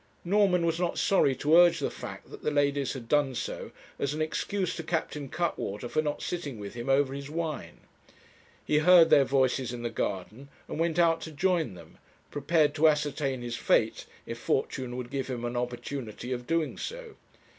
Norman was not sorry to urge the fact that the ladies had done so, as an excuse to Captain Cuttwater for not sitting with him over his wine. He heard their voices in the garden, and went out to join them, prepared to ascertain his fate if fortune would give him an opportunity of doing so.